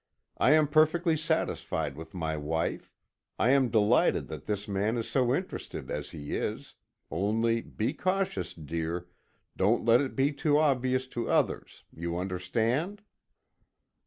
I am perfectly satisfied with my wife. I am delighted that this man is so interested as he is only be cautious, dear; don't let it be too obvious to others you understand?"